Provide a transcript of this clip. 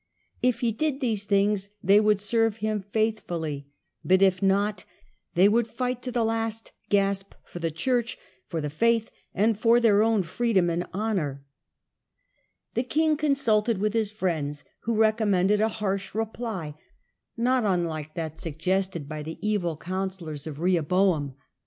If he did these things they would serve hini faithfully ; but if not they would fight to the last gasp for the Chm'ch, for the faith, and for their own freedom and honour. The Digitized by VjOOQIC 104 HlLDRBkANb king consulted with his friends, who recommended a harsh reply, not unlike that suggested by the evil coun sellors of Eehoboam.